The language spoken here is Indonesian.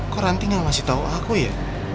kok ranting yang masih tau aku ya